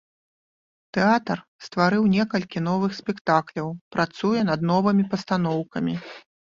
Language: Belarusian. Тэатр стварыў некалькі новых спектакляў, працуе над новымі пастаноўкамі.